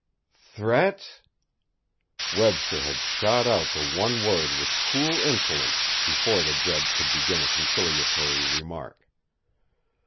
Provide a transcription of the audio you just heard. "Threats?" Webster had shot out the one word with cool insolence before the judge could begin a conciliatory remark.